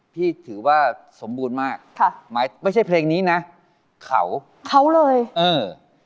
ถือว่าสมบูรณ์มากค่ะหมายไม่ใช่เพลงนี้นะเขาเขาเลยเออ